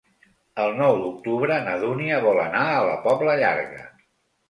El nou d'octubre na Dúnia vol anar a la Pobla Llarga.